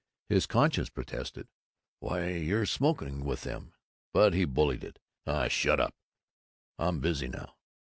His conscience protested, "Why, you're smoking with them!" but he bullied it, "Oh, shut up! I'm busy now.